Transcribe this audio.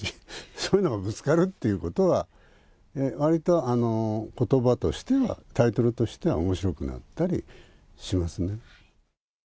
そういうのがぶつかるっていうことは、わりとことばとしては、タイトルとしてはおもしろくなったりしますね。